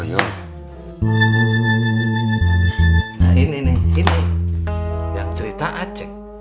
nah ini nih ini yang cerita aceh